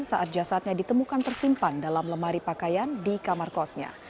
saat jasadnya ditemukan tersimpan dalam lemari pakaian di kamar kosnya